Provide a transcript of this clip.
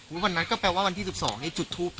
วันนั้นก็แปลว่าวันที่๑๒นี่จุดทูป